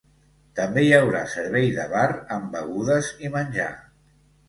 També hi haurà servei de bar amb begudes i menjar.